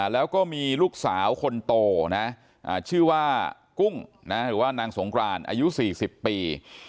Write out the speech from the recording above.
แล้วก็มีลูกสาวคนโตนะชื่อว่ากุ้งหรือว่านางสงกรานอายุ๔๐ปี